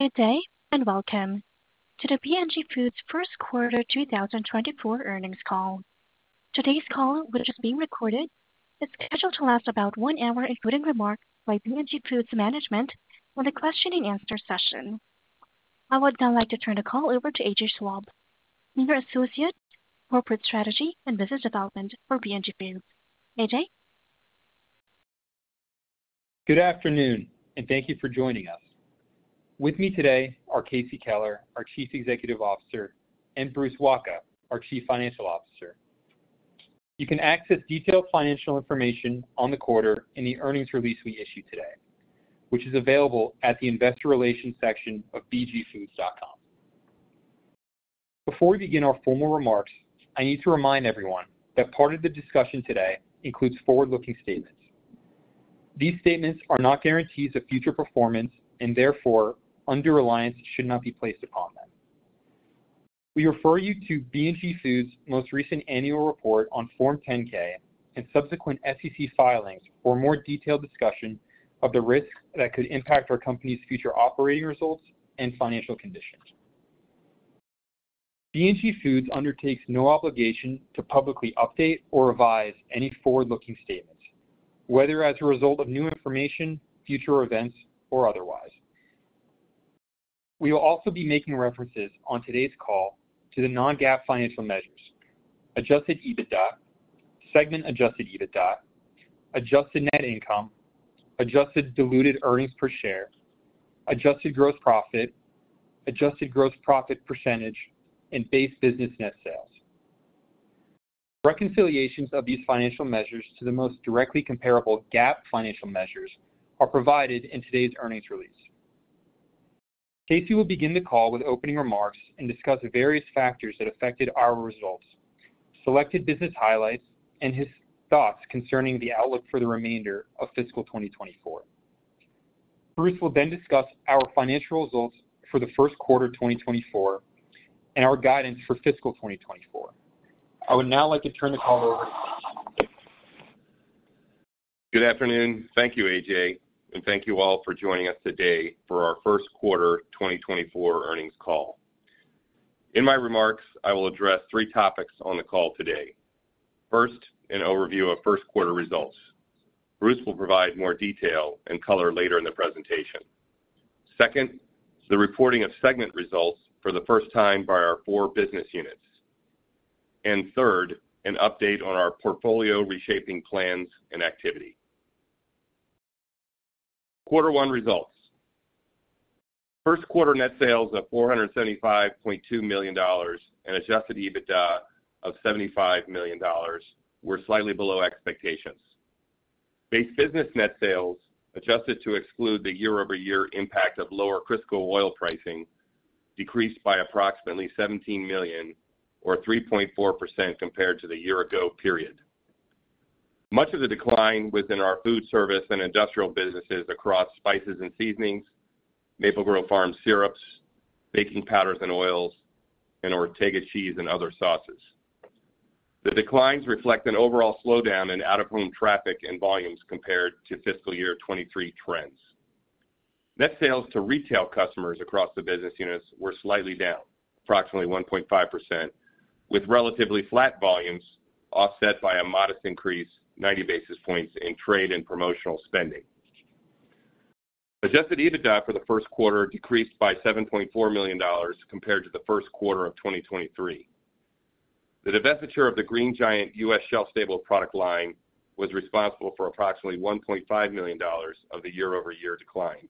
Good day, and welcome to the B&G Foods Q1 2024 Earnings Call. Today's call, which is being recorded, is scheduled to last about one hour, including remarks by B&G Foods management and a questioning answer session. I would now like to turn the call over to AJ Schwabe, Senior Associate, Corporate Strategy and Business Development for B&G Foods. AJ? Good afternoon, and thank you for joining us. With me today are Casey Keller, our Chief Executive Officer, and Bruce Wacha, our Chief Financial Officer. You can access detailed financial information on the quarter in the earnings release we issued today, which is available at the investor relations section of bgfoods.com. Before we begin our formal remarks, I need to remind everyone that part of the discussion today includes forward-looking statements. These statements are not guarantees of future performance, and therefore, undue reliance should not be placed upon them. We refer you to B&G Foods' most recent annual report on Form 10-K and subsequent SEC filings for a more detailed discussion of the risks that could impact our company's future operating results and financial conditions. B&G Foods undertakes no obligation to publicly update or revise any forward-looking statements, whether as a result of new information, future events, or otherwise. We will also be making references on today's call to the non-GAAP financial measures, Adjusted EBITDA, segment Adjusted EBITDA, Adjusted Net Income, Adjusted Diluted Earnings Per Share, Adjusted Gross Profit, adjusted gross profit percentage, and Base Business Net Sales. Reconciliations of these financial measures to the most directly comparable GAAP financial measures are provided in today's earnings release. Casey will begin the call with opening remarks and discuss the various factors that affected our results, selected business highlights, and his thoughts concerning the outlook for the remainder of fiscal 2024. Bruce will then discuss our financial results for the Q1 2024 and our guidance for fiscal 2024. I would now like to turn the call over to Casey. Good afternoon. Thank you, AJ, and thank you all for joining us today for our Q1 2024 earnings call. In my remarks, I will address three topics on the call today. First, an overview of Q1 results. Bruce will provide more detail and color later in the presentation. Second, the reporting of segment results for the first time by our four business units. Third, an update on our portfolio reshaping plans and activity. Q1 results. Q1 net sales of $475.2 million and adjusted EBITDA of $75 million were slightly below expectations. Base Business Net Sales, adjusted to exclude the year-over-year impact of lower Crisco oil pricing, decreased by approximately $17 million or 3.4% compared to the year-ago period. Much of the decline within our food service and industrial businesses across spices and seasonings, Maple Grove Farms syrups, baking powders and oils, and Ortega cheese and other sauces. The declines reflect an overall slowdown in out-of-home traffic and volumes compared to fiscal year 2023 trends. Net sales to retail customers across the business units were slightly down, approximately 1.5%, with relatively flat volumes offset by a modest increase, 90 basis points in trade and promotional spending. Adjusted EBITDA for the Q1 decreased by $7.4 million compared to the Q1 of 2023. The divestiture of the Green Giant US shelf-stable product line was responsible for approximately $1.5 million of the year-over-year decline.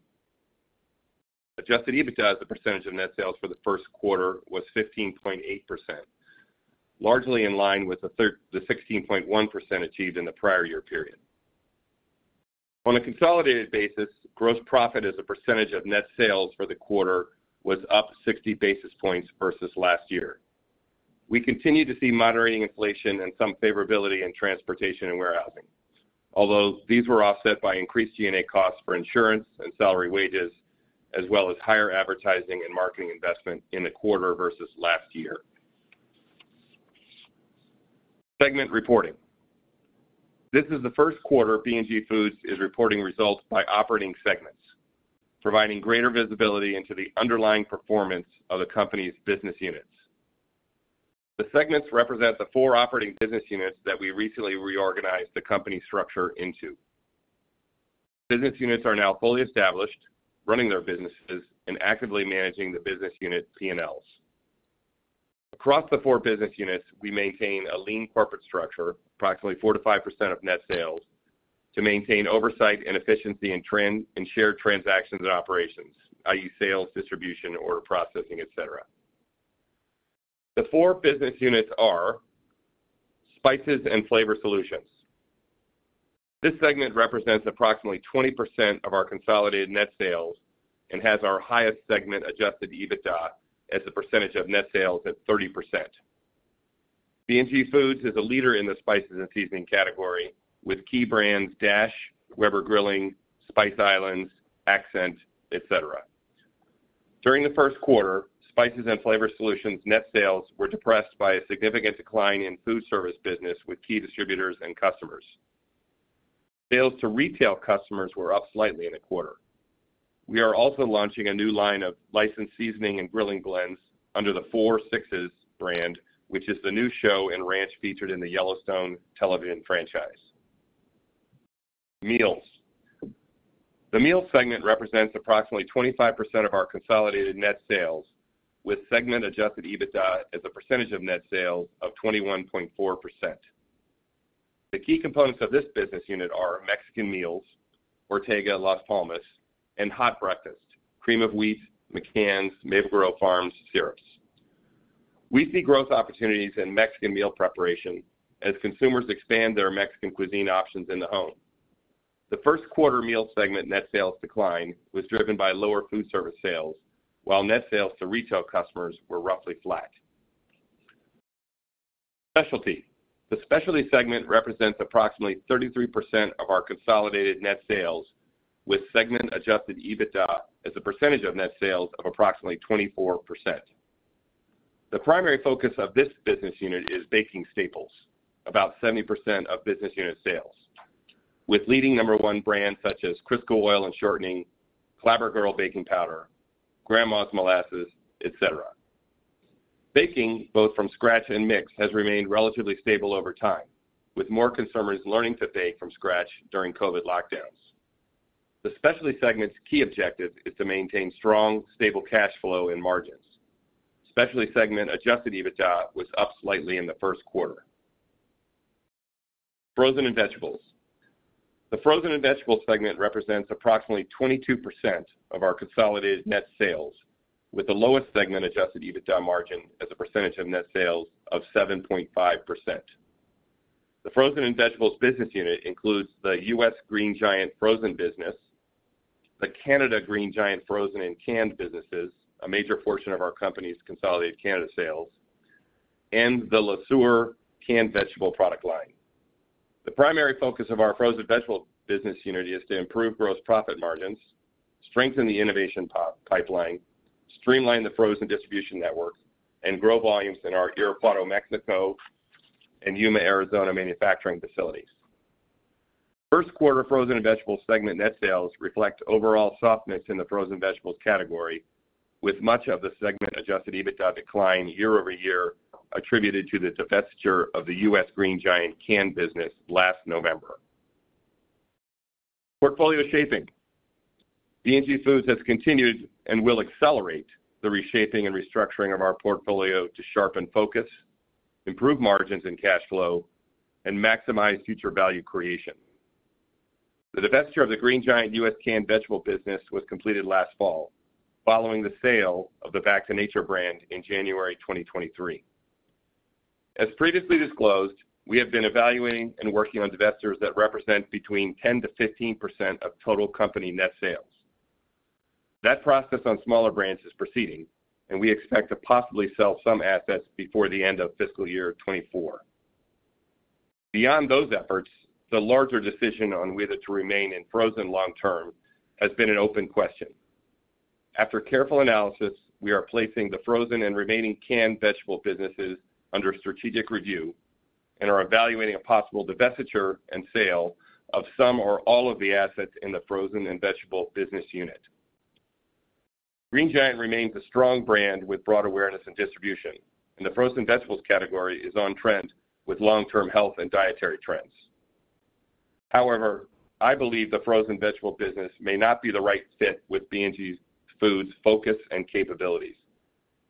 Adjusted EBITDA as a percentage of net sales for the Q1 was 15.8%, largely in line with the sixteen point one percent achieved in the prior year period. On a consolidated basis, gross profit as a percentage of net sales for the quarter was up 60 basis points versus last year. We continue to see moderating inflation and some favorability in transportation and warehousing, although these were offset by increased G&A costs for insurance and salary wages, as well as higher advertising and marketing investment in the quarter versus last year. Segment reporting. This is the Q1 B&G Foods is reporting results by operating segments, providing greater visibility into the underlying performance of the company's business units. The segments represent the four operating business units that we recently reorganized the company structure into. Business units are now fully established, running their businesses, and actively managing the business unit P&Ls. Across the four business units, we maintain a lean corporate structure, approximately 4%-5% of net sales, to maintain oversight and efficiency in shared transactions and operations, i.e., sales, distribution, order processing, et cetera. The four business units are Spices and Flavor Solutions. This segment represents approximately 20% of our consolidated net sales and has our highest segment Adjusted EBITDA as a percentage of net sales at 30%. B&G Foods is a leader in the spices and seasoning category, with key brands Dash, Weber Grilling, Spice Islands, Accent, et cetera. During the Q1, Spices and Flavor Solutions' net sales were depressed by a significant decline in food service business with key distributors and customers. Sales to retail customers were up slightly in the quarter. We are also launching a new line of licensed seasoning and grilling blends under the Four Sixes brand, which is the new show and ranch featured in the Yellowstone television franchise. Meals. The meal segment represents approximately 25% of our consolidated net sales, with segment Adjusted EBITDA as a percentage of net sales of 21.4%. The key components of this business unit are Mexican meals, Ortega, Las Palmas, and hot breakfast, Cream of Wheat, McCann's, Maple Grove Farms syrups. We see growth opportunities in Mexican meal preparation as consumers expand their Mexican cuisine options in the home. The Q1 meal segment net sales decline was driven by lower food service sales, while net sales to retail customers were roughly flat. Specialty. The specialty segment represents approximately 33% of our consolidated net sales, with segment Adjusted EBITDA as a percentage of net sales of approximately 24%. The primary focus of this business unit is baking staples, about 70% of business unit sales, with leading number one brands such as Crisco Oil and Shortening, Clabber Girl Baking Powder, Grandma's Molasses, et cetera. Baking, both from scratch and mix, has remained relatively stable over time, with more consumers learning to bake from scratch during COVID lockdowns. The specialty segment's key objective is to maintain strong, stable cash flow and margins. Specialty segment Adjusted EBITDA was up slightly in the Q1. Frozen and Vegetables. The frozen and vegetables segment represents approximately 22% of our consolidated net sales, with the lowest segment Adjusted EBITDA margin as a percentage of net sales of 7.5%. The frozen and vegetables business unit includes the U.S. Green Giant frozen business, the Canada Green Giant frozen and canned businesses, a major portion of our company's consolidated Canada sales, and the Le Sueur canned vegetable product line. The primary focus of our frozen vegetable business unit is to improve gross profit margins, strengthen the innovation pipeline, streamline the frozen distribution network, and grow volumes in our Irapuato, Mexico, and Yuma, Arizona, manufacturing facilities. Q1 frozen and vegetable segment net sales reflect overall softness in the frozen vegetables category, with much of the segment adjusted EBITDA decline year-over-year attributed to the divestiture of the U.S. Green Giant canned business last November. Portfolio shaping. B&G Foods has continued and will accelerate the reshaping and restructuring of our portfolio to sharpen focus, improve margins and cash flow, and maximize future value creation. The divestiture of the Green Giant U.S. canned vegetable business was completed last fall, following the sale of the Back to Nature brand in January 2023. As previously disclosed, we have been evaluating and working on divestitures that represent between 10%-15% of total company net sales. That process on smaller brands is proceeding, and we expect to possibly sell some assets before the end of fiscal year 2024. Beyond those efforts, the larger decision on whether to remain in frozen long term has been an open question. After careful analysis, we are placing the frozen and remaining canned vegetable businesses under strategic review and are evaluating a possible divestiture and sale of some or all of the assets in the frozen and vegetable business unit. Green Giant remains a strong brand with broad awareness and distribution, and the frozen vegetables category is on trend with long-term health and dietary trends. However, I believe the frozen vegetable business may not be the right fit with B&G Foods' focus and capabilities,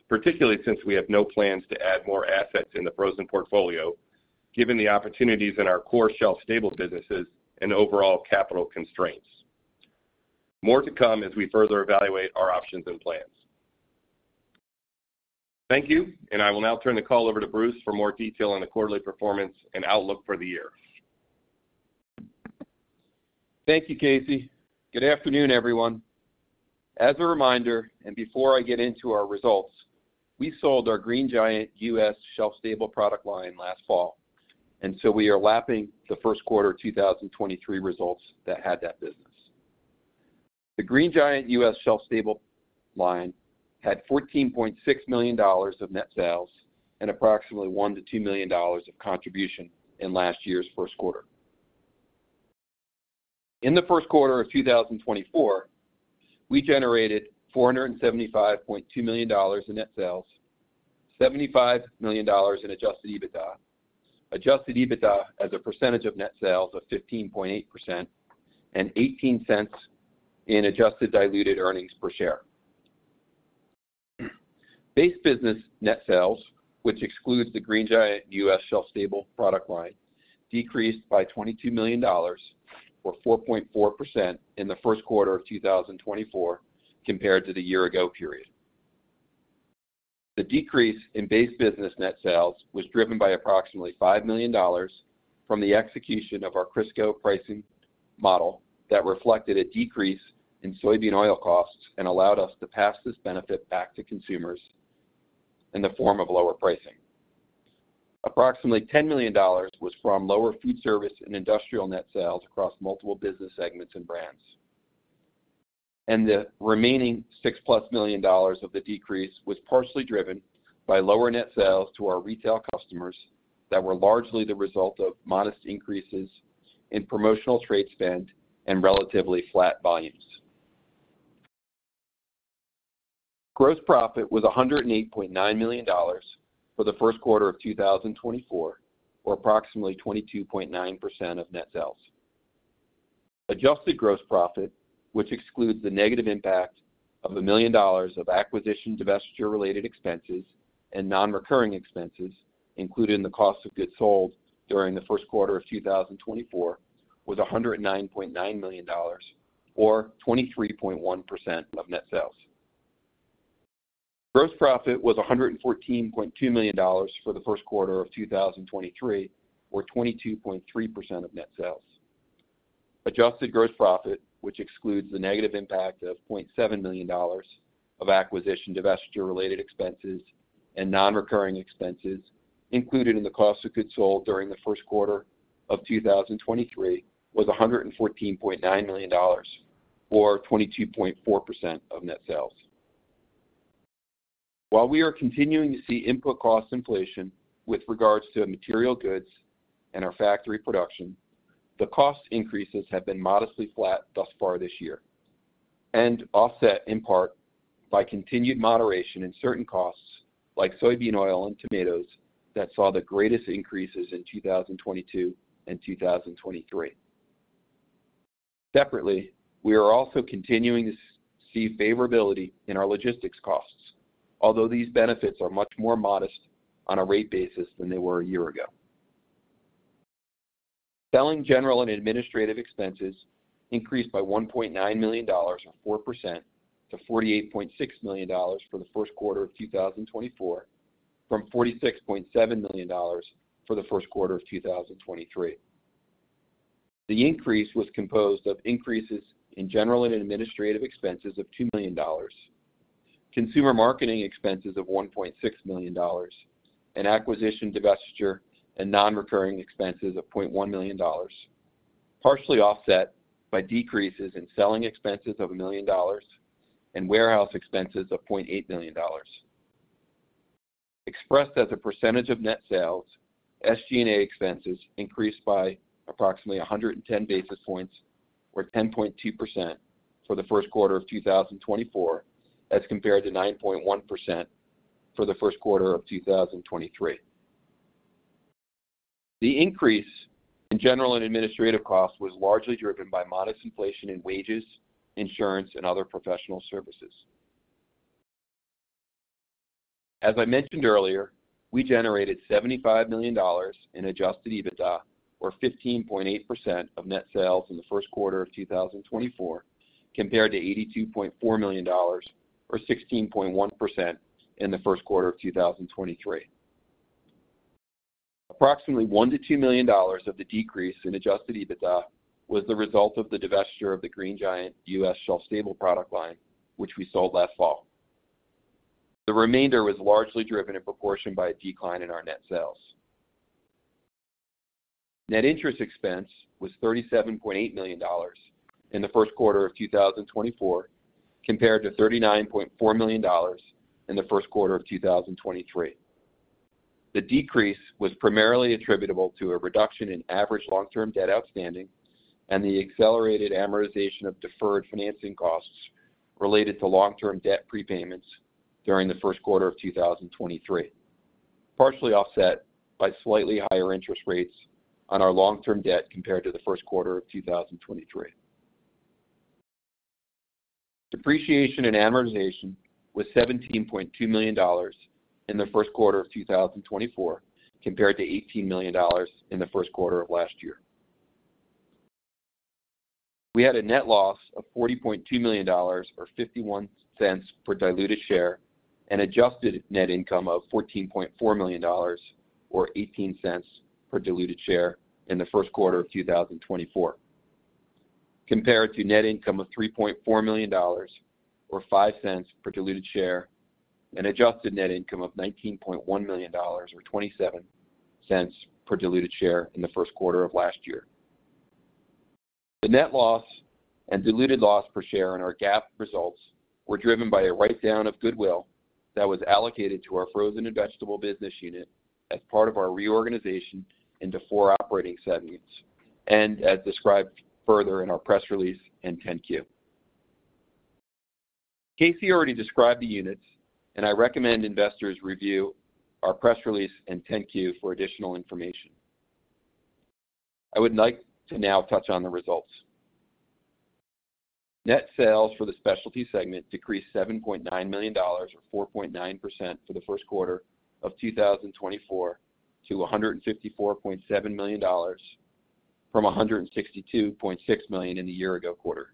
particularly since we have no plans to add more assets in the frozen portfolio, given the opportunities in our core shelf-stable businesses and overall capital constraints. More to come as we further evaluate our options and plans. Thank you, and I will now turn the call over to Bruce for more detail on the quarterly performance and outlook for the year. Thank you, Casey. Good afternoon, everyone. As a reminder, and before I get into our results, we sold our Green Giant US shelf-stable product line last fall, and so we are lapping the Q1 of 2023 results that had that business. The Green Giant US shelf-stable line had $14.6 million of net sales and approximately $1 million-$2 million of contribution in last year's Q1. In the Q1 of 2024, we generated $475.2 million in net sales, $75 million in adjusted EBITDA, adjusted EBITDA as a percentage of net sales of 15.8%, and $0.18 in adjusted diluted earnings per share. Base Business Net Sales, which excludes the Green Giant US shelf-stable product line, decreased by $22 million, or 4.4%, in the Q1 of 2024 compared to the year ago period. The decrease in Base Business Net Sales was driven by approximately $5 million from the execution of our Crisco pricing model that reflected a decrease in soybean oil costs and allowed us to pass this benefit back to consumers in the form of lower pricing. Approximately $10 million was from lower food service and industrial net sales across multiple business segments and brands.... The remaining $6+ million of the decrease was partially driven by lower net sales to our retail customers that were largely the result of modest increases in promotional trade spend and relatively flat volumes. Gross profit was $108.9 million for the Q1 of 2024, or approximately 22.9% of net sales. Adjusted gross profit, which excludes the negative impact of $1 million of acquisition divestiture-related expenses and non-recurring expenses, including the cost of goods sold during the Q1 of 2024, was $109.9 million or 23.1% of net sales. Gross profit was $114.2 million for the Q1 of 2023, or 22.3% of net sales. Adjusted gross profit, which excludes the negative impact of $0.7 million of acquisition, divestiture-related expenses and non-recurring expenses included in the cost of goods sold during the Q1 of 2023, was $114.9 million, or 22.4% of net sales. While we are continuing to see input cost inflation with regards to material goods and our factory production, the cost increases have been modestly flat thus far this year and offset in part by continued moderation in certain costs, like soybean oil and tomatoes, that saw the greatest increases in 2022 and 2023. Separately, we are also continuing to see favorability in our logistics costs, although these benefits are much more modest on a rate basis than they were a year ago. Selling, general, and administrative expenses increased by $1.9 million, or 4% to $48.6 million for the Q1 of 2024, from $46.7 million for the Q1 of 2023. The increase was composed of increases in general and administrative expenses of $2 million, consumer marketing expenses of $1.6 million, and acquisition, divestiture, and non-recurring expenses of $0.1 million, partially offset by decreases in selling expenses of $1 million and warehouse expenses of $0.8 million. Expressed as a percentage of net sales, SG&A expenses increased by approximately 110 basis points, or 10.2% for the Q1 of 2024, as compared to 9.1% for the Q1 of 2023. The increase in general and administrative costs was largely driven by modest inflation in wages, insurance, and other professional services. As I mentioned earlier, we generated $75 million in adjusted EBITDA, or 15.8% of net sales in the Q1 of 2024, compared to $82.4 million, or 16.1% in the Q1 of 2023. Approximately $1 million-$2 million of the decrease in adjusted EBITDA was the result of the divestiture of the Green Giant U.S. shelf-stable product line, which we sold last fall. The remainder was largely driven in proportion by a decline in our net sales. Net interest expense was $37.8 million in the Q1 of 2024, compared to $39.4 million in the Q1 of 2023. The decrease was primarily attributable to a reduction in average long-term debt outstanding and the accelerated amortization of deferred financing costs related to long-term debt prepayments during the Q1 of 2023, partially offset by slightly higher interest rates on our long-term debt compared to the Q1 of 2023. Depreciation and amortization was $17.2 million in the Q1 of 2024, compared to $18 million in the Q1 of last year. We had a net loss of $40.2 million, or $0.51 per diluted share, and adjusted net income of $14.4 million, or $0.18 per diluted share in the Q1 of 2024, compared to net income of $3.4 million, or $0.05 per diluted share, and adjusted net income of $19.1 million, or $0.27 per diluted share in the Q1 of last year. The net loss and diluted loss per share in our GAAP results were driven by a write-down of goodwill that was allocated to our frozen and vegetable business unit as part of our reorganization into four operating segments, and as described further in our press release and 10-Q. Casey already described the units, and I recommend investors review our press release and 10-Q for additional information. I would like to now touch on the results. Net sales for the specialty segment decreased $7.9 million, or 4.9% for the Q1 of 2024 to $154.7 million from $162.6 million in the year-ago quarter.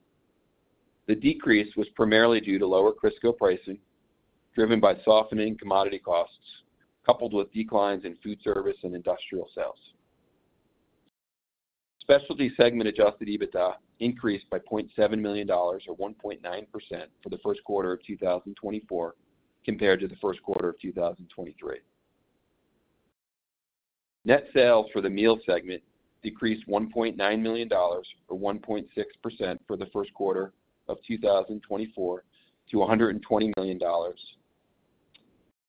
The decrease was primarily due to lower Crisco pricing, driven by softening commodity costs, coupled with declines in food service and industrial sales. Specialty segment Adjusted EBITDA increased by $0.7 million, or 1.9% for the Q1 of 2024 compared to the Q1 of 2023. Net sales for the meal segment decreased $1.9 million, or 1.6% for the Q1 of 2024, to $120 million,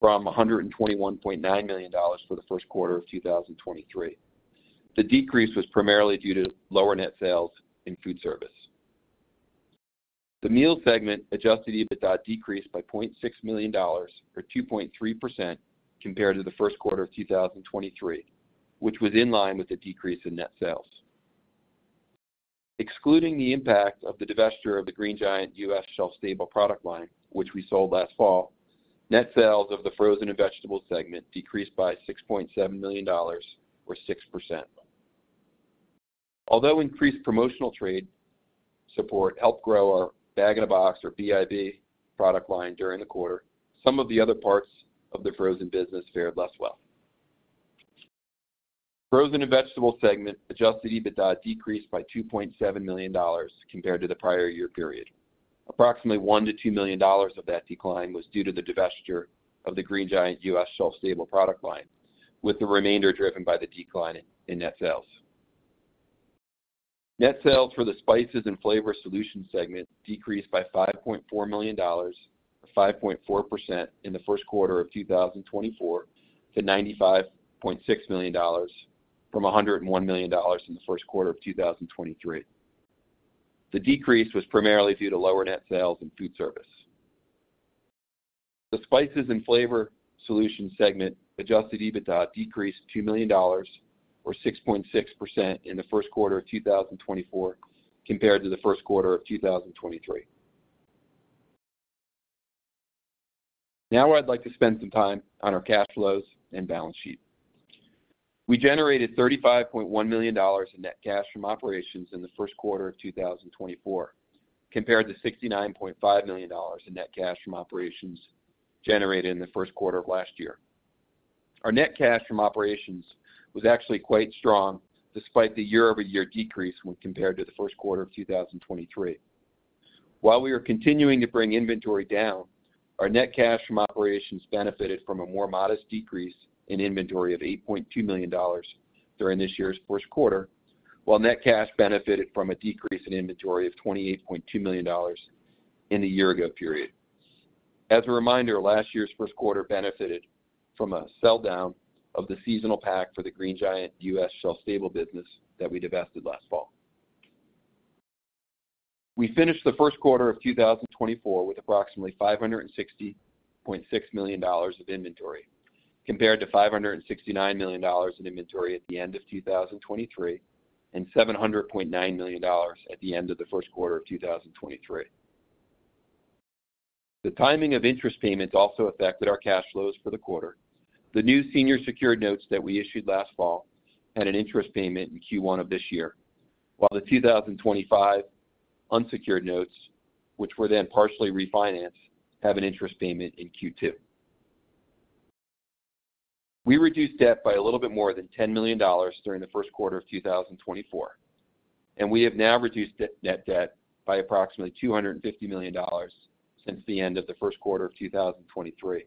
from $121.9 million for the Q1 of 2023. The decrease was primarily due to lower net sales in food service. The meal segment Adjusted EBITDA decreased by $0.6 million, or 2.3% compared to the Q1 of 2023, which was in line with the decrease in net sales. Excluding the impact of the divestiture of the Green Giant U.S. shelf-stable product line, which we sold last fall, net sales of the frozen and vegetable segment decreased by $6.7 million, or 6%. Although increased promotional trade support helped grow our bag-in-box, or BIB, product line during the quarter, some of the other parts of the frozen business fared less well. Frozen and Vegetable segment Adjusted EBITDA decreased by $2.7 million compared to the prior year period. Approximately $1-$2 million of that decline was due to the divestiture of the Green Giant US shelf-stable product line, with the remainder driven by the decline in net sales. Net sales for the Spices and Flavor Solutions segment decreased by $5.4 million, or 5.4% in the Q1 of 2024, to $95.6 million from $101 million in the Q1 of 2023. The decrease was primarily due to lower net sales in food service. The Spices and Flavor Solutions segment adjusted EBITDA decreased $2 million, or 6.6% in the Q1 of 2024 compared to the Q1 of 2023. Now, I'd like to spend some time on our cash flows and balance sheet. We generated $35.1 million in net cash from operations in the Q1 of 2024, compared to $69.5 million in net cash from operations generated in the Q1 of last year. Our net cash from operations was actually quite strong despite the year-over-year decrease when compared to the Q1 of 2023. While we are continuing to bring inventory down, our net cash from operations benefited from a more modest decrease in inventory of $8.2 million during this year's Q1, while net cash benefited from a decrease in inventory of $28.2 million in the year ago period. As a reminder, last year's Q1 benefited from a sell down of the seasonal pack for the Green Giant US Shelf Stable business that we divested last fall. We finished the Q1 of 2024 with approximately $560.6 million of inventory, compared to $569 million in inventory at the end of 2023, and $709 million at the end of the Q1 of 2023. The timing of interest payments also affected our cash flows for the quarter. The new Senior Secured Notes that we issued last fall had an interest payment in Q1 of this year, while the 2025 unsecured notes, which were then partially refinanced, have an interest payment in Q2. We reduced debt by a little bit more than $10 million during the Q1 of 2024, and we have now reduced net debt by approximately $250 million since the end of the Q1 of 2023.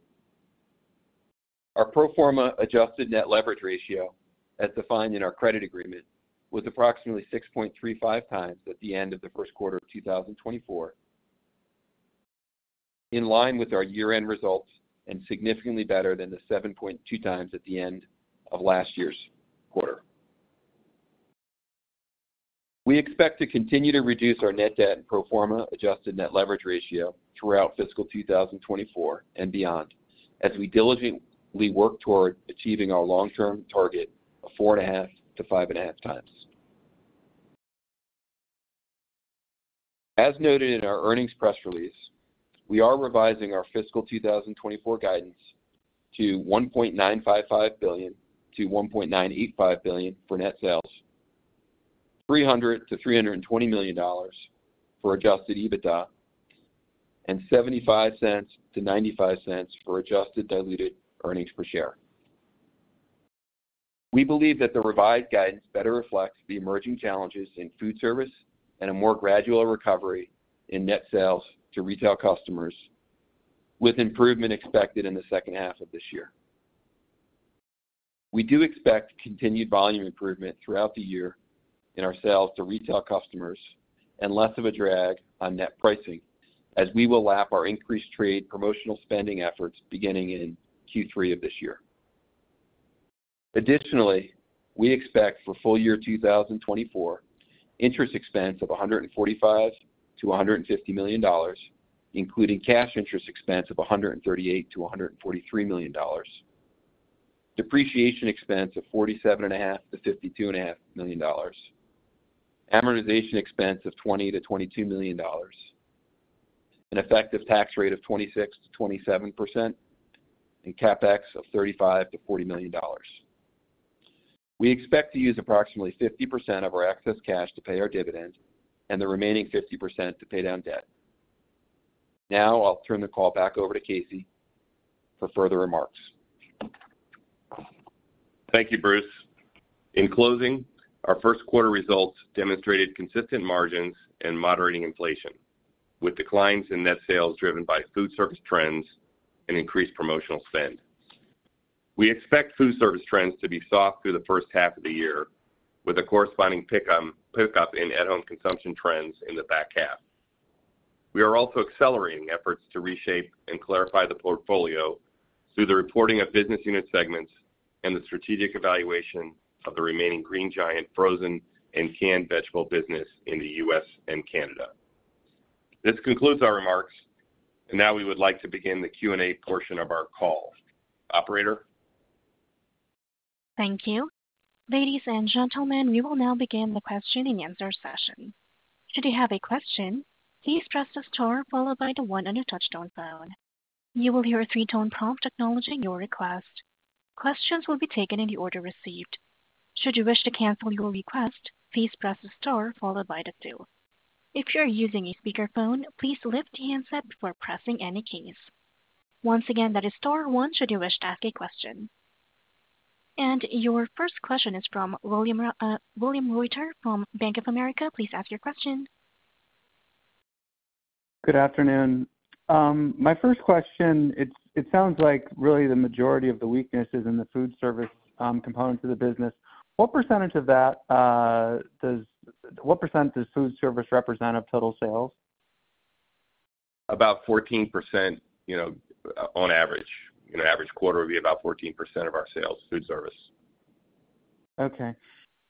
Our pro forma adjusted net leverage ratio, as defined in our credit agreement, was approximately 6.35 times at the end of the Q1 of 2024, in line with our year-end results and significantly better than the 7.2 times at the end of last year's quarter. We expect to continue to reduce our net debt and pro forma adjusted net leverage ratio throughout fiscal 2024 and beyond, as we diligently work toward achieving our long-term target of 4.5-5.5 times. As noted in our earnings press release, we are revising our fiscal 2024 guidance to $1.955 billion-$1.985 billion for net sales, $300 million-$320 million for Adjusted EBITDA, and $0.75-$0.95 for adjusted diluted earnings per share. We believe that the revised guidance better reflects the emerging challenges in food service and a more gradual recovery in net sales to retail customers, with improvement expected in the second half of this year. We do expect continued volume improvement throughout the year in our sales to retail customers and less of a drag on net pricing, as we will lap our increased trade promotional spending efforts beginning in Q3 of this year. Additionally, we expect for full year 2024, interest expense of $145 million-$150 million, including cash interest expense of $138 million-$143 million, depreciation expense of $47,500,000 million-$52,500,000 million, amortization expense of $20 million-$22 million, an effective tax rate of 26%-27%, and CapEx of $35 million-$40 million. We expect to use approximately 50% of our excess cash to pay our dividend and the remaining 50% to pay down debt. Now I'll turn the call back over to Casey for further remarks. Thank you, Bruce. In closing, our Q1 results demonstrated consistent margins and moderating inflation, with declines in net sales driven by food service trends and increased promotional spend. We expect food service trends to be soft through the first half of the year, with a corresponding pick up in at-home consumption trends in the back half. We are also accelerating efforts to reshape and clarify the portfolio through the reporting of business unit segments and the strategic evaluation of the remaining Green Giant frozen and canned vegetable business in the U.S. and Canada. This concludes our remarks, and now we would like to begin the Q&A portion of our call. Operator? Thank you. Ladies and gentlemen, we will now begin the question-and-answer session. Should you have a question, please press star followed by the one on your touchtone phone. You will hear a three-tone prompt acknowledging your request. Questions will be taken in the order received. Should you wish to cancel your request, please press star followed by the two. If you're using a speakerphone, please lift the handset before pressing any keys. Once again, that is star one should you wish to ask a question. And your first question is from William Reuter from Bank of America. Please ask your question. Good afternoon. My first question, it sounds like really the majority of the weakness is in the food service component to the business. What percent does food service represent of total sales? About 14%, you know, on average. In an average quarter, it would be about 14% of our sales, food service. Okay.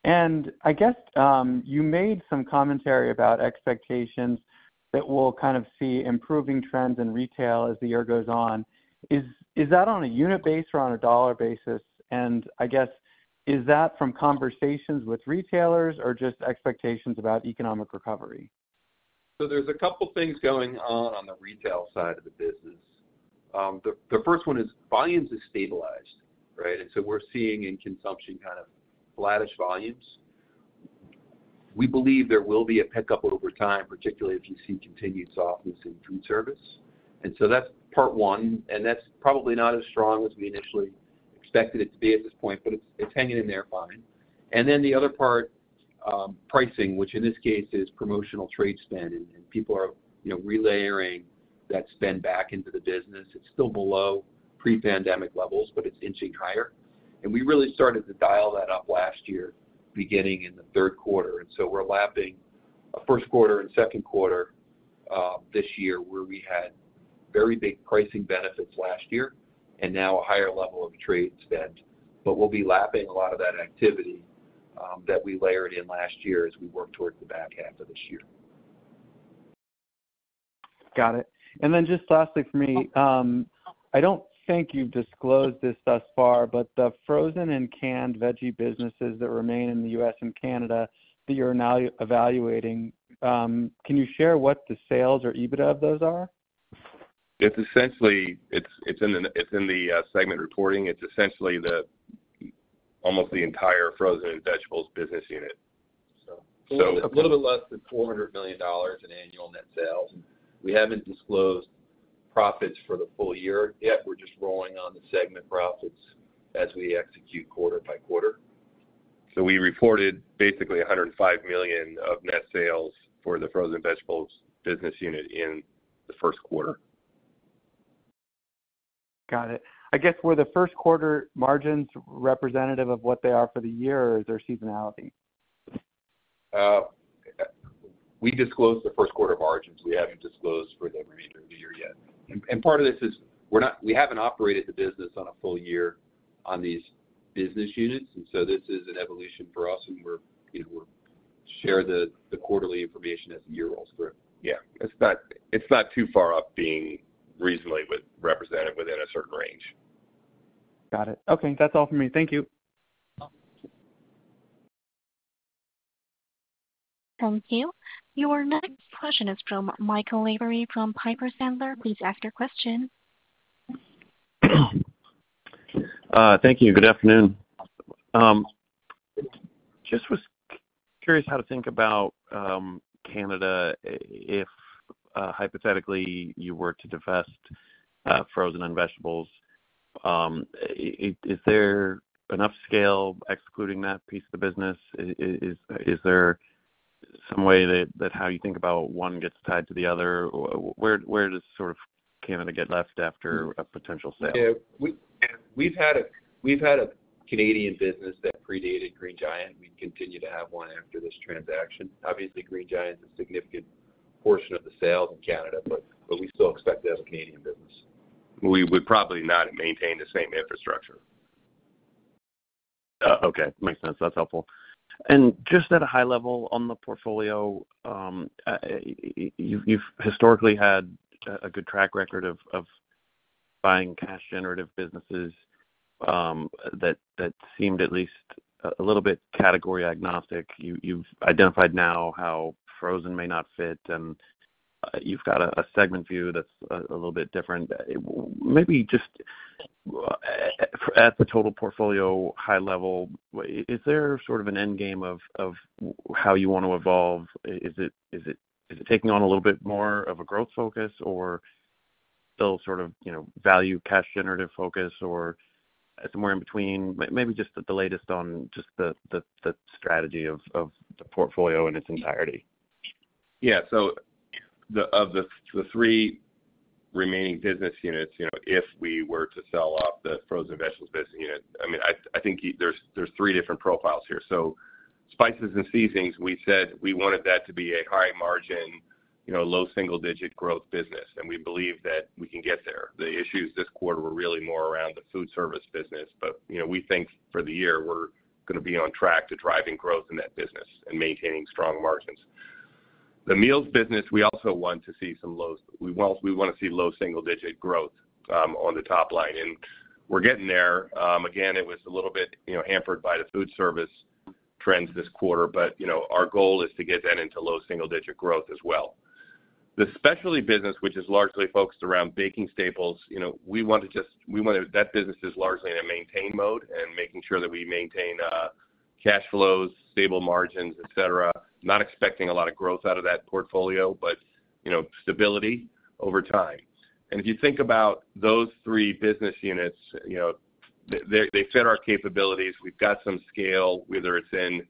And I guess, you made some commentary about expectations that we'll kind of see improving trends in retail as the year goes on. Is that on a unit basis or on a dollar basis? And I guess, is that from conversations with retailers or just expectations about economic recovery? So there's a couple things going on on the retail side of the business. The first one is volumes have stabilized, right? And so we're seeing in consumption kind of flattish volumes. We believe there will be a pickup over time, particularly if you see continued softness in food service. And so that's part one, and that's probably not as strong as we initially expected it to be at this point, but it's hanging in there fine. And then the other part, pricing, which in this case is promotional trade spend, and people are, you know, relayering that spend back into the business. It's still below pre-pandemic levels, but it's inching higher. We really started to dial that up last year, beginning in the Q3, and so we're lapping a Q1 and Q2 this year, where we had very big pricing benefits last year and now a higher level of trade spend. But we'll be lapping a lot of that activity that we layered in last year as we work towards the back half of this year. Got it. And then just lastly for me, I don't think you've disclosed this thus far, but the frozen and canned veggie businesses that remain in the US and Canada, that you're now evaluating, can you share what the sales or EBITDA of those are? It's essentially in the segment reporting. It's essentially almost the entire frozen vegetables business unit. So- A little bit less than $400 million in annual net sales. We haven't disclosed profits for the full year yet. We're just rolling on the segment profits as we execute quarter by quarter. We reported basically $105 million of net sales for the frozen vegetables business unit in the Q1. Got it. I guess, were the Q1 margins representative of what they are for the year, or is there seasonality? We disclosed the Q1 margins. We haven't disclosed for the remainder of the year yet. Part of this is we're not, we haven't operated the business on a full year on these business units, and so this is an evolution for us, and we're, you know, we're sharing the quarterly information as the year rolls through. Yeah, it's not, it's not too far off being reasonably well-represented within a certain range. Got it. Okay, that's all for me. Thank you. Thank you. Your next question is from Michael Lavery, from Piper Sandler. Please ask your question. Thank you. Good afternoon. Just was curious how to think about Canada, if hypothetically you were to divest frozen and vegetables. Is there enough scale excluding that piece of the business? Is there some way that how you think about one gets tied to the other? Where does sort of Canada get left after a potential sale? Yeah, we've had a Canadian business that predated Green Giant, and we continue to have one after this transaction. Obviously, Green Giant is a significant portion of the sales in Canada, but we still expect to have a Canadian business. We would probably not maintain the same infrastructure. Okay. Makes sense. That's helpful. Just at a high level on the portfolio, you've historically had a good track record of buying cash-generative businesses that seemed at least a little bit category agnostic. You've identified now how frozen may not fit, and you've got a segment view that's a little bit different. Maybe just at the total portfolio high level, is there sort of an end game of how you want to evolve? Is it taking on a little bit more of a growth focus, or-... still sort of, you know, value cash generative focus or somewhere in between? Maybe just the latest on just the strategy of the portfolio in its entirety. Yeah. So the three remaining business units, you know, if we were to sell off the frozen vegetables business unit, I mean, I think there's three different profiles here. So spices and seasonings, we said we wanted that to be a high margin, you know, low single-digit growth business, and we believe that we can get there. The issues this quarter were really more around the food service business, but, you know, we think for the year, we're gonna be on track to driving growth in that business and maintaining strong margins. The meals business, we also want to see some lows. We want, we wanna see low single digit growth, on the top line, and we're getting there. Again, it was a little bit, you know, hampered by the food service trends this quarter, but, you know, our goal is to get that into low single digit growth as well. The specialty business, which is largely focused around baking staples, you know, we want to just-- we want to-- that business is largely in a maintain mode and making sure that we maintain, cash flows, stable margins, et cetera. Not expecting a lot of growth out of that portfolio, but, you know, stability over time. And if you think about those three business units, you know, they, they fit our capabilities. We've got some scale, whether it's in,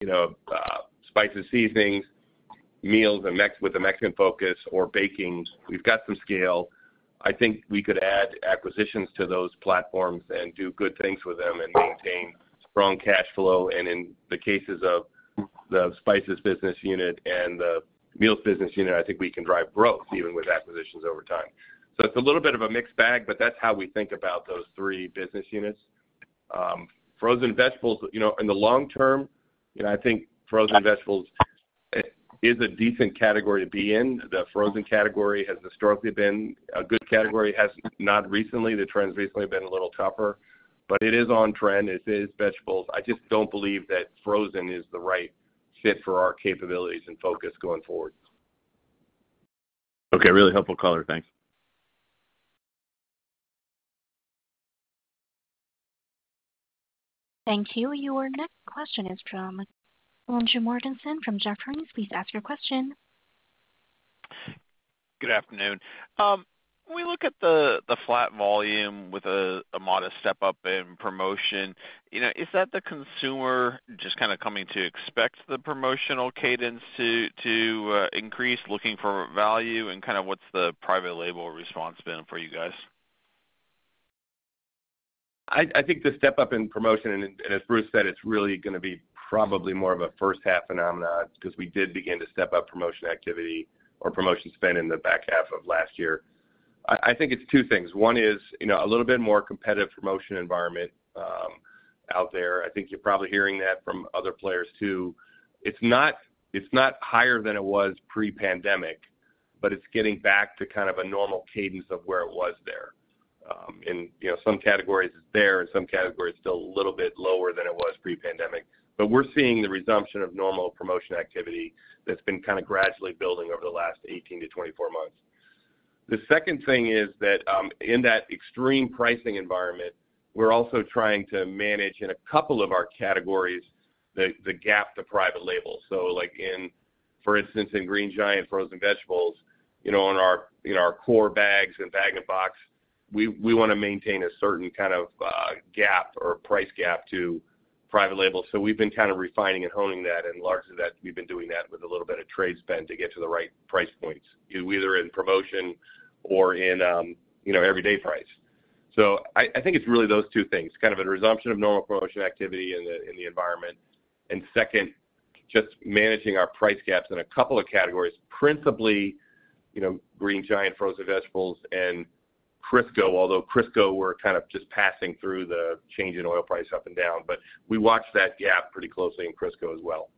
you know, spice and seasonings, meals, and Mexican with a Mexican focus or baking, we've got some scale. I think we could add acquisitions to those platforms and do good things with them and maintain strong cash flow. In the cases of the spices business unit and the meals business unit, I think we can drive growth even with acquisitions over time. It's a little bit of a mixed bag, but that's how we think about those three business units. Frozen vegetables, you know, in the long term, you know, I think frozen vegetables is a decent category to be in. The frozen category has historically been a good category, has not recently. The trend's recently been a little tougher, but it is on trend, it is vegetables. I just don't believe that frozen is the right fit for our capabilities and focus going forward. Okay, really helpful color. Thanks. Thank you. Your next question is from Lonja Morgenthau, from Jefferies. Please ask your question. Good afternoon. When we look at the flat volume with a modest step up in promotion, you know, is that the consumer just kind of coming to expect the promotional cadence to increase, looking for value, and kind of what's the private label response been for you guys? I think the step up in promotion, and as Bruce said, it's really gonna be probably more of a first half phenomenon because we did begin to step up promotion activity or promotion spend in the back half of last year. I think it's two things. One is, you know, a little bit more competitive promotion environment, out there. I think you're probably hearing that from other players, too. It's not higher than it was pre-pandemic, but it's getting back to kind of a normal cadence of where it was there. And, you know, some categories it's there, and some categories still a little bit lower than it was pre-pandemic. But we're seeing the resumption of normal promotion activity that's been kind of gradually building over the last 18-24 months. The second thing is that, in that extreme pricing environment, we're also trying to manage in a couple of our categories, the gap to private label. So like in, for instance, in Green Giant frozen vegetables, you know, in our core bags and bag-in-box, we wanna maintain a certain kind of gap or price gap to private label. So we've been kind of refining and honing that, and largely that we've been doing that with a little bit of trade spend to get to the right price points, either in promotion or in, you know, everyday price. So I think it's really those two things, kind of a resumption of normal promotion activity in the environment. And second, just managing our price gaps in a couple of categories, principally, you know, Green Giant frozen vegetables and Crisco, although Crisco, we're kind of just passing through the change in oil price up and down, but we watch that gap pretty closely in Crisco as well,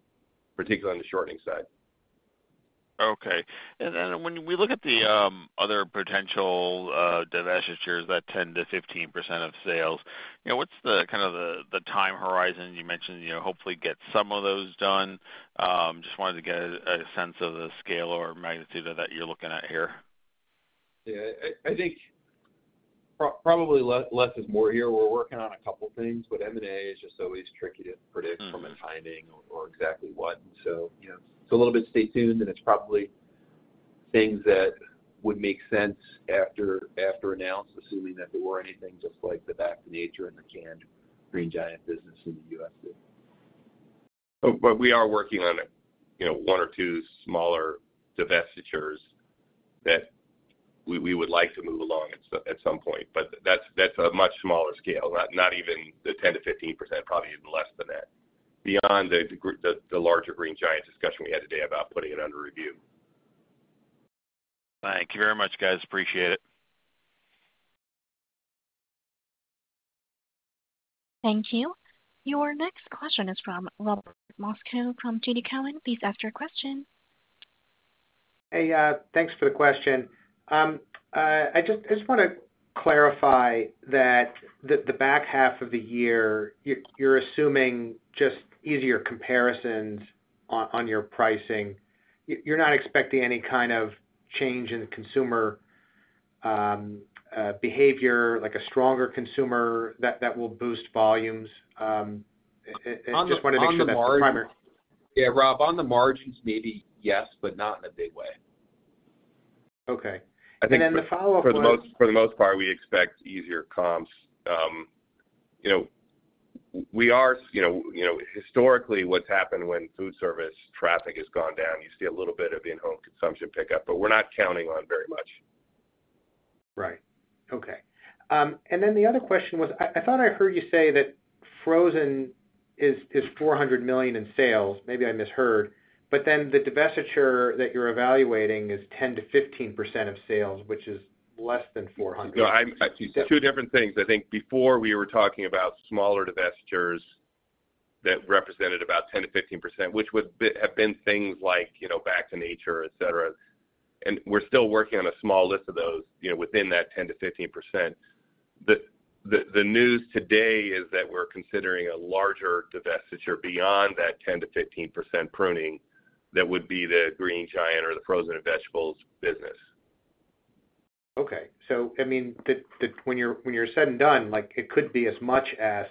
particularly on the shortening side. Okay. And then when we look at the other potential divestitures, that 10-15% of sales, you know, what's the kind of time horizon? You mentioned, you know, hopefully get some of those done. Just wanted to get a sense of the scale or magnitude that you're looking at here. Yeah, I think probably less is more here. We're working on a couple of things, but M&A is just always tricky to predict from afar and finding out exactly what. So, you know, it's a little bit stay tuned, and it's probably things that would make sense after announcement, assuming that there were anything just like the Back to Nature and the canned Green Giant business in the U.S. But we are working on, you know, one or two smaller divestitures that we would like to move along at some point, but that's a much smaller scale, not even the 10%-15%, probably even less than that, beyond the larger Green Giant discussion we had today about putting it under review. Thank you very much, guys. Appreciate it. Thank you. Your next question is from Robert Moskow from TD Cowen. Please ask your question. Hey, thanks for the question. I just wanna clarify that the back half of the year, you're assuming just easier comparisons on your pricing. You're not expecting any kind of change in consumer behavior, like a stronger consumer that will boost volumes? I just wanted to make sure that's the primary-... Yeah, Rob, on the margins, maybe yes, but not in a big way. Okay. And then the follow-up was- I think for the most part, we expect easier comps. You know, we are, you know, you know, historically, what's happened when food service traffic has gone down, you see a little bit of in-home consumption pickup, but we're not counting on very much. Right. Okay. And then the other question was, I thought I heard you say that frozen is $400 million in sales. Maybe I misheard, but then the divestiture that you're evaluating is 10%-15% of sales, which is less than $400 million. No, two different things. I think before we were talking about smaller divestitures that represented about 10%-15%, which would have been things like, you know, Back to Nature, et cetera. And we're still working on a small list of those, you know, within that 10%-15%. The news today is that we're considering a larger divestiture beyond that 10%-15% pruning that would be the Green Giant or the frozen vegetables business. Okay. So, I mean, when all is said and done, like, it could be as much as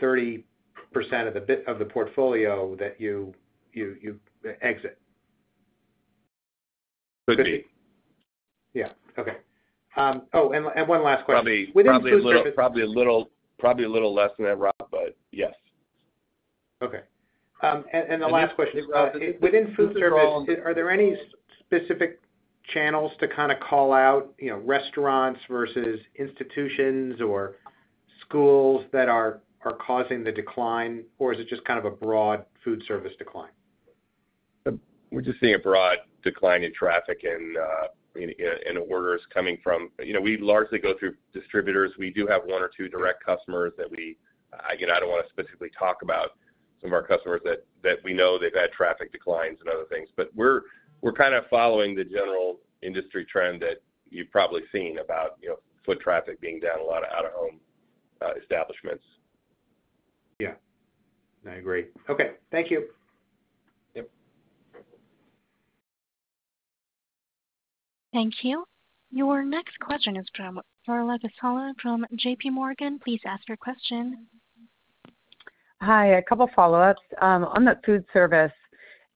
30% of the portfolio that you exit? Could be. Yeah. Okay. And one last question. Probably- Within food service- Probably a little, probably a little less than that, Rob, but yes. Okay. And the last question. Within food service, are there any specific channels to kinda call out, you know, restaurants versus institutions or schools that are causing the decline, or is it just kind of a broad food service decline? We're just seeing a broad decline in traffic and in orders coming from... You know, we largely go through distributors. We do have one or two direct customers that we, again, don't wanna specifically talk about some of our customers that we know they've had traffic declines and other things. But we're kind of following the general industry trend that you've probably seen about, you know, foot traffic being down a lot of out-of-home establishments. Yeah, I agree. Okay. Thank you. Yep. Thank you. Your next question is from Carla Casella from J.P. Morgan. Please ask your question. Hi, a couple follow-ups. On the food service,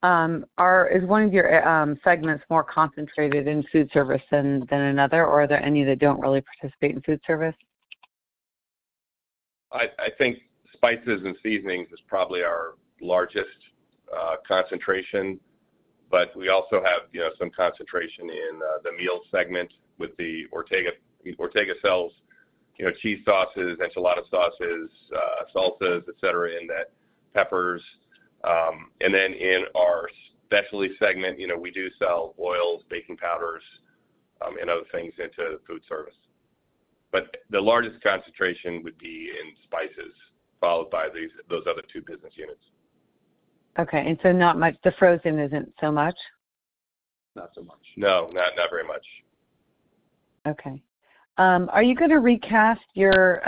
is one of your segments more concentrated in food service than another, or are there any that don't really participate in food service? I think spices and seasonings is probably our largest concentration, but we also have, you know, some concentration in the meal segment with the Ortega. Ortega sells, you know, cheese sauces, enchilada sauces, salsas, et cetera, in that, peppers, and then in our specialty segment, you know, we do sell oils, baking powders, and other things into food service. But the largest concentration would be in spices, followed by these, those other two business units. Okay. And so, not much, the frozen isn't so much? Not so much. No, not very much. Okay. Are you gonna recast your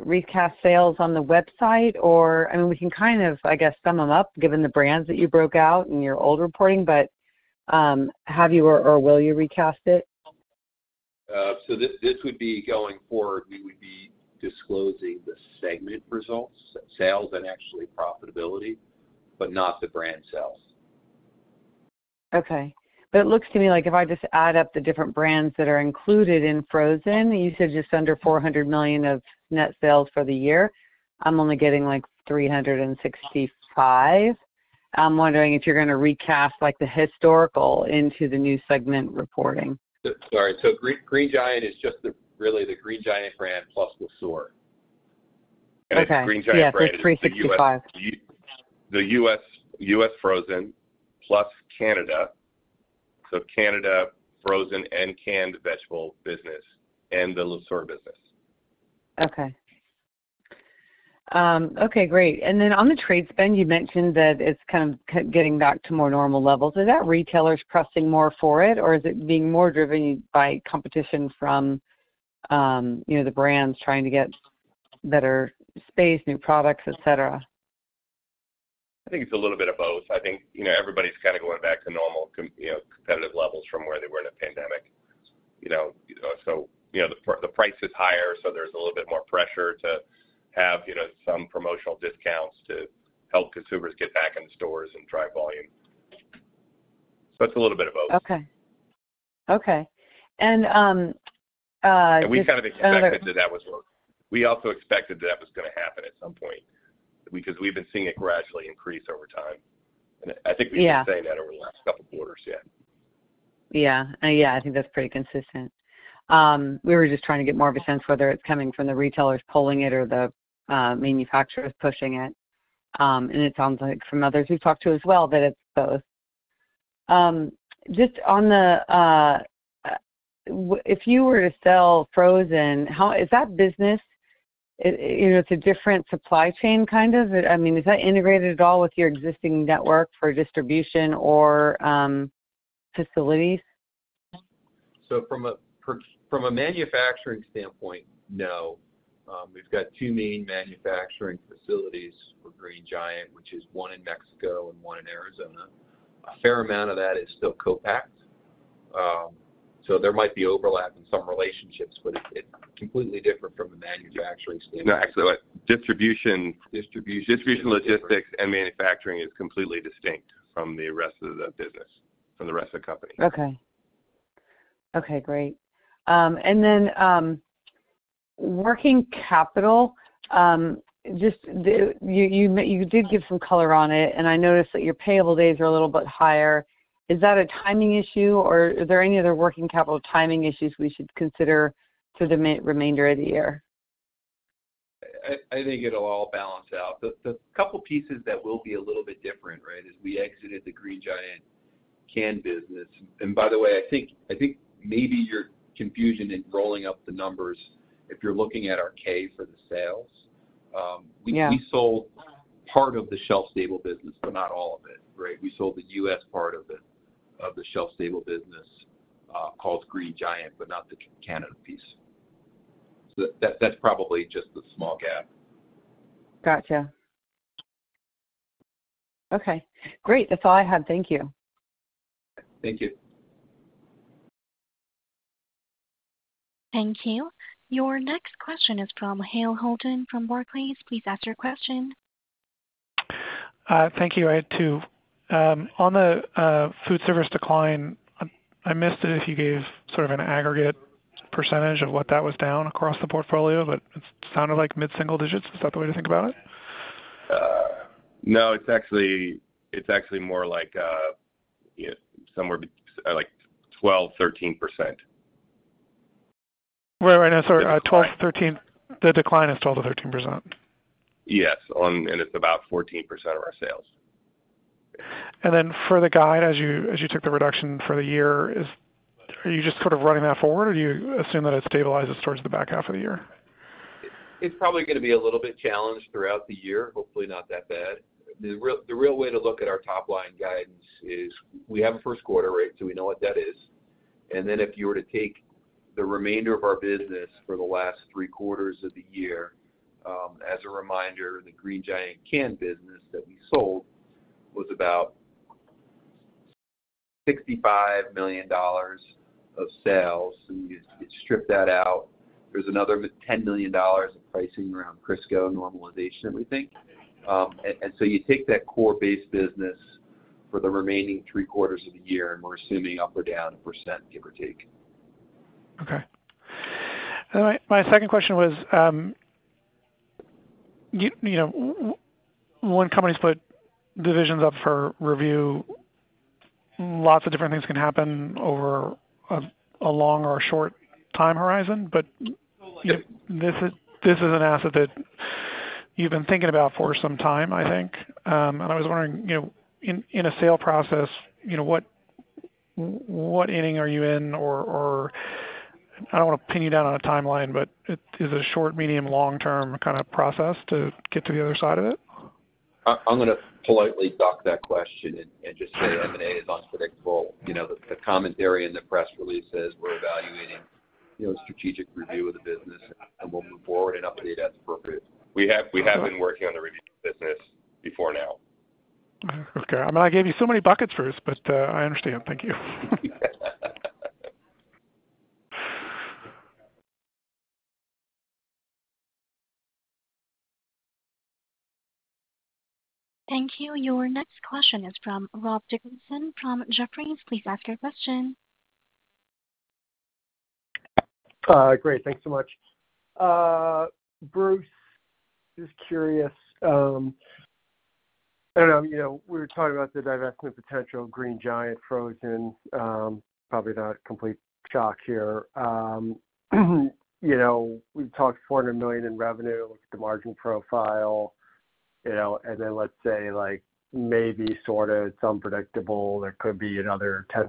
recast sales on the website? Or, I mean, we can kind of, I guess, sum them up, given the brands that you broke out in your old reporting, but have you or will you recast it? This would be going forward. We would be disclosing the segment results, sales and actually profitability, but not the brand sales. Okay. But it looks to me like if I just add up the different brands that are included in frozen, you said just under $400 million of net sales for the year. I'm only getting, like, 365. I'm wondering if you're gonna recast, like, the historical into the new segment reporting. Sorry. So Green, Green Giant is just the, really the Green Giant brand, plus Le Sueur. Okay. It's Green Giant brand- Yes, it's 365. The U.S., U.S. frozen plus Canada. So Canada frozen and canned vegetable business and the Le Sueur business. Okay. Okay, great. And then on the trade spend, you mentioned that it's kind of getting back to more normal levels. Is that retailers pressing more for it, or is it being more driven by competition from, you know, the brands trying to get better space, new products, et cetera? I think it's a little bit of both. I think, you know, everybody's kinda going back to normal competitive levels from where they were in a pandemic. You know, so, you know, the price is higher, so there's a little bit more pressure to have, you know, some promotional discounts to help consumers get back in the stores and drive volume. So it's a little bit of both. Okay. Okay. And, just another- And we kind of expected that that was. We also expected that that was gonna happen at some point, because we've been seeing it gradually increase over time. Yeah. I think we've been saying that over the last couple of quarters, yeah. Yeah. Yeah, I think that's pretty consistent. We were just trying to get more of a sense of whether it's coming from the retailers pulling it or the manufacturers pushing it. And it sounds like from others we've talked to as well, that it's both. Just on the, if you were to sell frozen, how... Is that business, you know, it's a different supply chain, kind of? I mean, is that integrated at all with your existing network for distribution or facilities? So from a manufacturing standpoint, no. We've got two main manufacturing facilities for Green Giant, which is one in Mexico and one in Arizona. A fair amount of that is still co-packed.... so there might be overlap in some relationships, but it's, it's completely different from a manufacturing standpoint. No, actually, but distribution- Distribution. Distribution, logistics, and manufacturing is completely distinct from the rest of the business, from the rest of the company. Okay. Okay, great. And then, working capital, just the—you did give some color on it, and I noticed that your payable days are a little bit higher. Is that a timing issue, or are there any other working capital timing issues we should consider to the remainder of the year? I think it'll all balance out. The couple pieces that will be a little bit different, right, is we exited the Green Giant can business. And by the way, I think maybe your confusion in rolling up the numbers, if you're looking at our K for the sales, Yeah. We sold part of the shelf-stable business, but not all of it, right? We sold the U.S. part of it, of the shelf-stable business, called Green Giant, but not the Canada piece. So that, that's probably just the small gap. Gotcha. Okay, great. That's all I had. Thank you. Thank you. Thank you. Your next question is from Hale Holden from Barclays. Please ask your question. Thank you. I had two. On the food service decline, I missed it if you gave sort of an aggregate percentage of what that was down across the portfolio, but it sounded like mid-single digits. Is that the way to think about it? No, it's actually, it's actually more like, you know, somewhere like 12%-13%. Right, right. Now, sorry, 12-13... The decline is 12%-13%? Yes, and it's about 14% of our sales. And then for the guide, as you took the reduction for the year, are you just sort of running that forward, or do you assume that it stabilizes towards the back half of the year? It's probably gonna be a little bit challenged throughout the year. Hopefully not that bad. The real way to look at our top-line guidance is we have a Q1 rate, so we know what that is. And then if you were to take the remainder of our business for the last three quarters of the year, as a reminder, the Green Giant can business that we sold was about $65 million of sales, and you strip that out. There's another $10 million in pricing around Crisco normalization, we think. And so you take that core base business for the remaining three quarters of the year, and we're assuming up or down 1%, give or take. Okay. And my second question was, you know, when companies put divisions up for review, lots of different things can happen over a long or a short time horizon. But, you know, this is an asset that you've been thinking about for some time, I think. And I was wondering, you know, in a sale process, you know, what inning are you in, or I don't want to pin you down on a timeline, but is it a short, medium, long-term kind of process to get to the other side of it? I'm gonna politely duck that question and just say M&A is unpredictable. You know, the commentary in the press release says we're evaluating, you know, strategic review of the business, and we'll move forward and update as appropriate. We have been working on the review business before now. Okay. I mean, I gave you so many buckets first, but, I understand. Thank you. Thank you. Your next question is from Rob Dickerson from Jefferies. Please ask your question. Great. Thanks so much. Bruce, just curious, I don't know, you know, we were talking about the divestment potential of Green Giant Frozen, probably not complete shock here. You know, we've talked $400 million in revenue, look at the margin profile, you know, and then let's say, like, maybe sort of it's unpredictable, there could be another 10%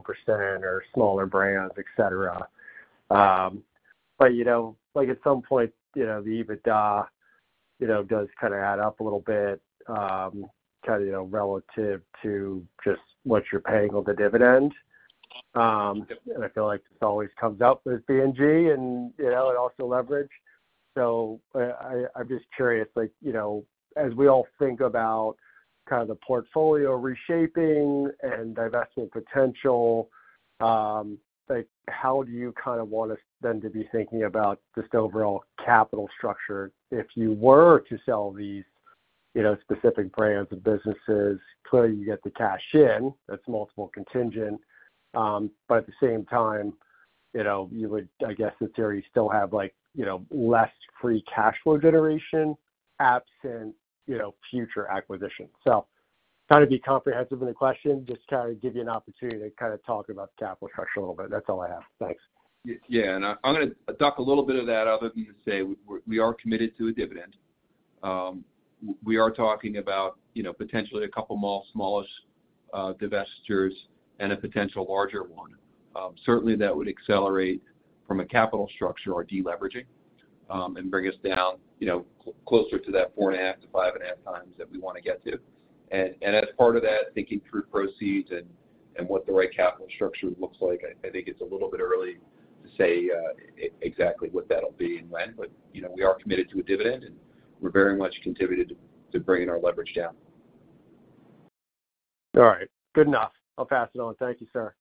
or smaller brands, et cetera. But, you know, like, at some point, you know, the EBITDA, you know, does kind of add up a little bit, kind of, you know, relative to just what you're paying on the dividend. And I feel like this always comes up with B&G and, you know, and also leverage. So I'm just curious, like, you know, as we all think about kind of the portfolio reshaping and divestment potential, like, how do you kind of want us then to be thinking about just the overall capital structure? If you were to sell these, you know, specific brands and businesses, clearly you get the cash in, that's multiple contingent. But at the same time, you know, you would, I guess, in theory, still have, like, you know, less free cash flow generation absent, you know, future acquisitions. So trying to be comprehensive in the question, just to kind of give you an opportunity to kind of talk about the capital structure a little bit. That's all I have. Thanks. Yeah, and I'm gonna duck a little bit of that, other than to say we are committed to a dividend. We are talking about, you know, potentially a couple smallish divestitures and a potential larger one. Certainly, that would accelerate from a capital structure or deleveraging, and bring us down, you know, closer to that 4.5-5.5 times that we wanna get to. And as part of that, thinking through proceeds and what the right capital structure looks like, I think it's a little bit early to say exactly what that'll be and when, but you know, we are committed to a dividend, and we're very much committed to bringing our leverage down.... All right, good enough. I'll pass it on. Thank you, sir.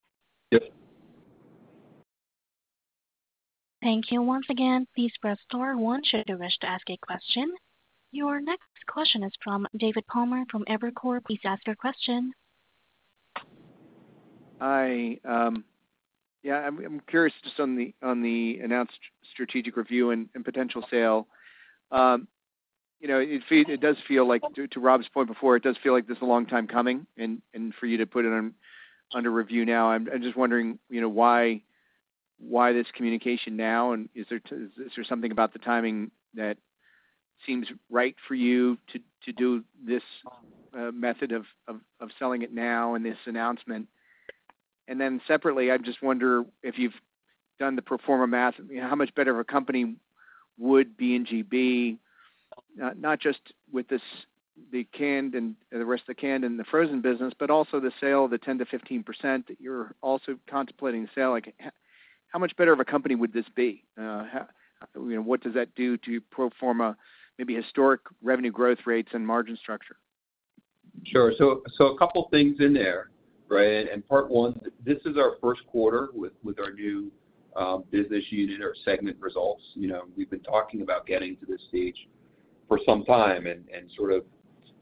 Thank you. Once again, please press star one should you wish to ask a question. Your next question is from David Palmer from Evercore. Please ask your question. Hi. Yeah, I'm curious just on the announced strategic review and potential sale. You know, it does feel like, to Rob's point before, it does feel like this is a long time coming, and for you to put it under review now, I'm just wondering, you know, why this communication now? And is there something about the timing that seems right for you to do this method of selling it now in this announcement? And then separately, I just wonder if you've done the pro forma math, you know, how much better of a company would B&G be, not just with this, the canned and the rest of the canned and the frozen business, but also the sale of the 10%-15% that you're also contemplating the sale. Like, how much better of a company would this be? You know, what does that do to pro forma, maybe historic revenue growth rates and margin structure? Sure. So a couple things in there, right? And part one, this is our Q1 with our new business unit, our segment results. You know, we've been talking about getting to this stage for some time and sort of,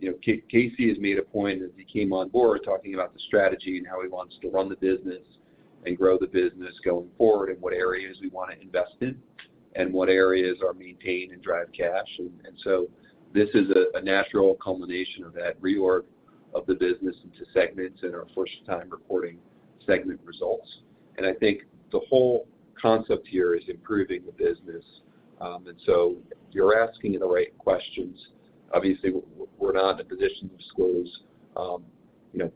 you know, Casey has made a point as he came on board, talking about the strategy and how he wants to run the business and grow the business going forward, and what areas we want to invest in, and what areas are maintain and drive cash. And so this is a natural culmination of that reorg of the business into segments and our first time reporting segment results. And I think the whole concept here is improving the business. And so you're asking the right questions. Obviously, we're not in a position to disclose, you know,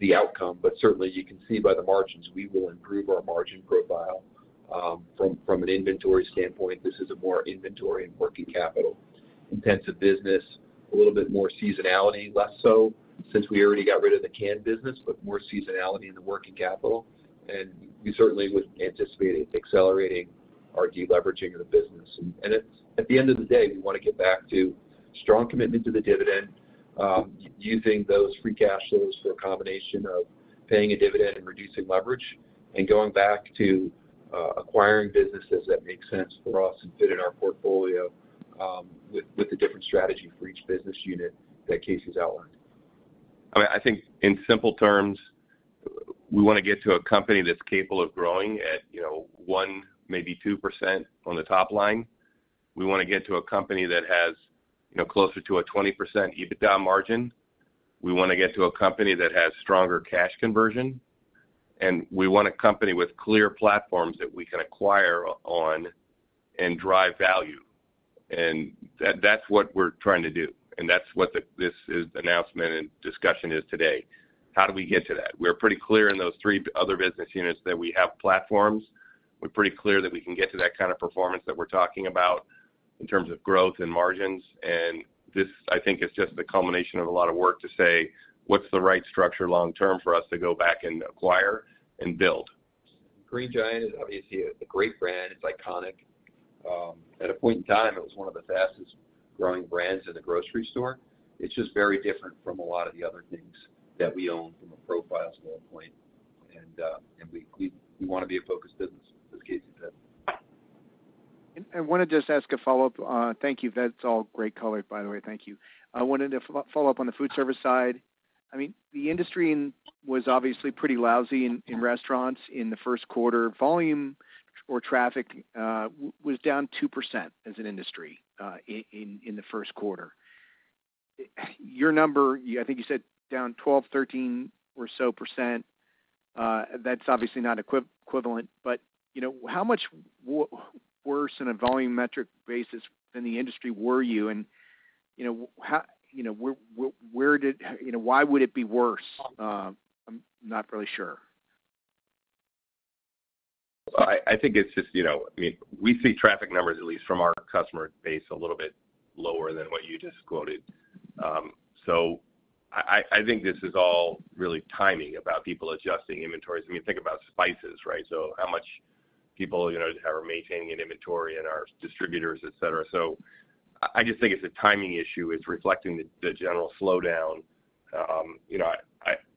the outcome, but certainly, you can see by the margins, we will improve our margin profile. From an inventory standpoint, this is a more inventory and working capital-intensive business, a little bit more seasonality, less so, since we already got rid of the canned business, but more seasonality in the working capital. We certainly would anticipate it's accelerating our deleveraging of the business. At the end of the day, we wanna get back to strong commitment to the dividend, using those free cash flows for a combination of paying a dividend and reducing leverage, and going back to acquiring businesses that make sense for us and fit in our portfolio, with a different strategy for each business unit that Casey's outlined. I mean, I think in simple terms, we wanna get to a company that's capable of growing at, you know, 1, maybe 2% on the top line. We wanna get to a company that has, you know, closer to a 20% EBITDA margin. We wanna get to a company that has stronger cash conversion, and we want a company with clear platforms that we can acquire on and drive value. And that - that's what we're trying to do, and that's what the - this is announcement and discussion is today. How do we get to that? We're pretty clear in those 3 other business units that we have platforms. We're pretty clear that we can get to that kind of performance that we're talking about in terms of growth and margins. This, I think, is just the culmination of a lot of work to say, what's the right structure long term for us to go back and acquire and build? Green Giant is obviously a great brand. It's iconic. At a point in time, it was one of the fastest growing brands in the grocery store. It's just very different from a lot of the other things that we own from a profile standpoint, and we wanna be a focused business, as Casey said. I wanna just ask a follow-up. Thank you. That's all great color, by the way. Thank you. I wanted to follow up on the food service side. I mean, the industry was obviously pretty lousy in restaurants in the Q1. Volume or traffic was down 2% as an industry in the Q1. Your number, I think you said, down 12, 13 or so %. That's obviously not equivalent, but, you know, how much worse in a volume metric basis than the industry were you? And, you know, you know, where did... You know, why would it be worse? I'm not really sure. I think it's just, you know, I mean, we see traffic numbers, at least from our customer base, a little bit lower than what you just quoted. So I think this is all really timing, about people adjusting inventories. I mean, think about spices, right? So how much people, you know, are maintaining an inventory and our distributors, et cetera. So I just think it's a timing issue. It's reflecting the general slowdown. You know,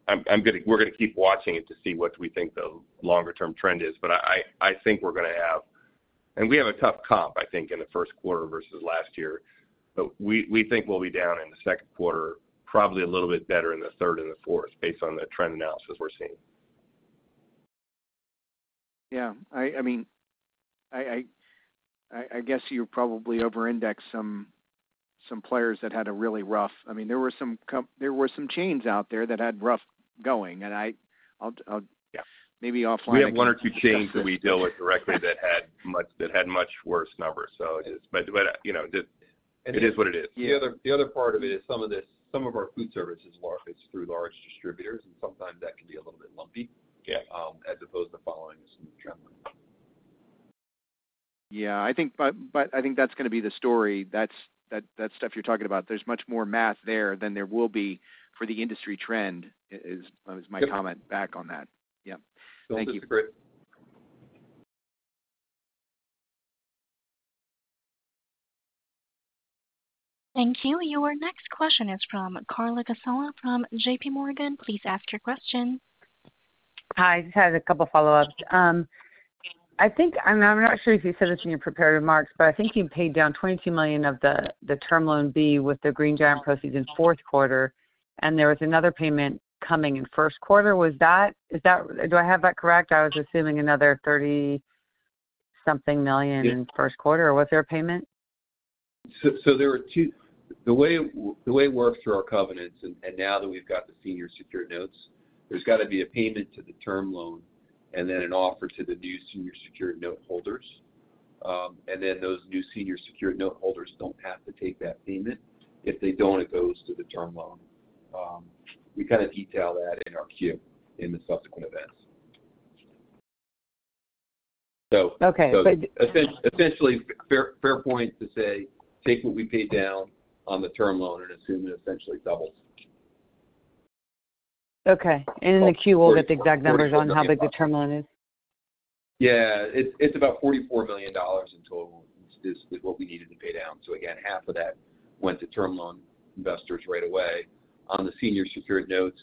I'm gonna, we're gonna keep watching it to see what we think the longer term trend is, but I think we're gonna have... And we have a tough comp, I think, in the Q1 versus last year. But we think we'll be down in the Q2, probably a little bit better in the third and the fourth, based on the trend analysis we're seeing. Yeah. I mean, I guess you probably over-indexed some players that had a really rough—I mean, there were some chains out there that had rough going, and I... I'll- Yeah. Maybe offline- We have one or two chains that we deal with directly that had much worse numbers. So it is. But, you know, it is what it is. Yeah. The other part of it is some of this, some of our food services market is through large distributors, and sometimes that can be a little bit lumpy- Yeah... as opposed to following a smooth trend. Yeah, I think, but I think that's gonna be the story, that stuff you're talking about. There's much more math there than there will be for the industry trend. Is my comment back on that. Yep. Thank you. Great. Thank you. Your next question is from Carla Casella from J.P. Morgan. Please ask your question. Hi, just had a couple follow-ups. I think, and I'm not sure if you said this in your prepared remarks, but I think you paid down $22 million of the Term Loan B with the Green Giant proceeds in Q4, and there was another payment coming in Q1. Was that, is that, do I have that correct? I was assuming another 30-something million in Q1, or was there a payment? So there were two... The way it works through our covenants, and now that we've got the senior secured notes, there's got to be a payment to the term loan and then an offer to the new senior secured note holders. And then those new senior secured note holders don't have to take that payment. If they don't, it goes to the term loan. We kind of detail that in our Q in the subsequent events. So- Okay, but- Essentially, fair, fair point to say, take what we paid down on the term loan and assume it essentially doubles. Okay. In the Q, we'll get the exact numbers on how big the term loan is? Yeah. It's about $44 million in total is what we needed to pay down. So again, half of that went to term loan investors right away. On the senior secured notes,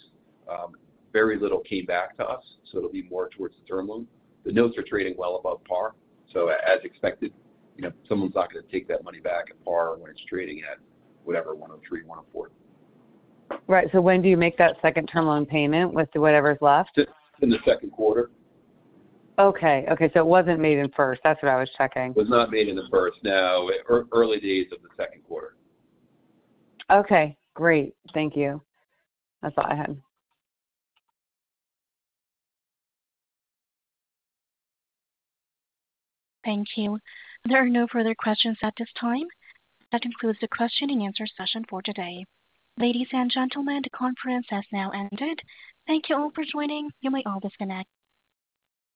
very little came back to us, so it'll be more towards the term loan. The notes are trading well above par, so as expected, you know, someone's not going to take that money back at par when it's trading at whatever, 103, 104. Right. When do you make that second term loan payment with whatever's left? It's in the Q2. Okay. Okay, so it wasn't made in first. That's what I was checking. Was not made in the first, no. Early days of the Q2. Okay, great. Thank you. That's all I had. Thank you. There are no further questions at this time. That concludes the question and answer session for today. Ladies and gentlemen, the conference has now ended. Thank you all for joining. You may all disconnect.